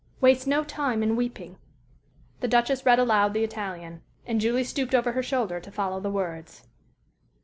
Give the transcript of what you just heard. waste no time in weeping_." The Duchess read aloud the Italian, and Julie stooped over her shoulder to follow the words.